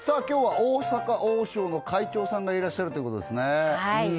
今日は大阪王将の会長さんがいらっしゃるということですね